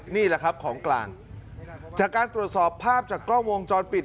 นี่แหละครับของกลางจากการตรวจสอบภาพจากกล้องวงจรปิด